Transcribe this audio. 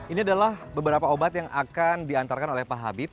ini adalah beberapa obat yang akan diantarkan oleh pak habib